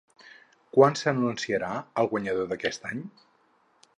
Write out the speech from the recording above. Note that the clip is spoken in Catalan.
Quan s'anunciarà el guanyador d'aquest any?